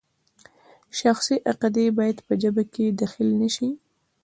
شخصي عقیدې باید په ژبه کې دخیل نشي.